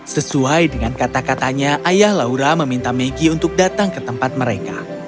sesuai dengan kata katanya ayah laura meminta maggie untuk datang ke tempat mereka